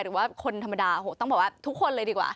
หรือว่าคนธรรมดาโอ้โหต้องบอกว่าทุกคนเลยดีกว่า